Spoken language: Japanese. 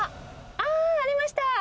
あー、ありました。